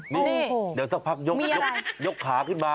นี่เดี๋ยวสักพักยกขาขึ้นมา